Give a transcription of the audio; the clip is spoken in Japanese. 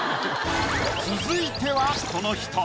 続いてはこの人。